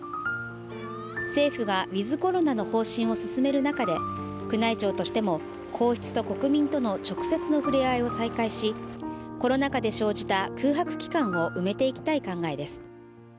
政府がウィズ・コロナの方針を進める中で宮内庁としても、皇室と国民との直接のふれあいを再開し、コロナ禍で生じた空白期間を埋めていきたい考えです